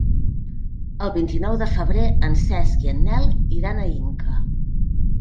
El vint-i-nou de febrer en Cesc i en Nel iran a Inca.